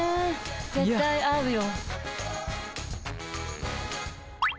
絶対合うよ。